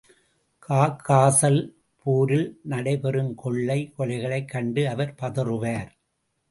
Caucasus போரில் நடை பெறும் கொள்ளை, கொலைகளைக் கண்டு அவர் பதறுவார்.